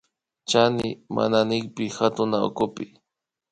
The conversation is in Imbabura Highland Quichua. Chani manañipak katunawkupi